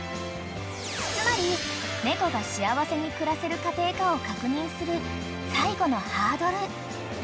［つまり猫が幸せに暮らせる家庭かを確認する最後のハードル］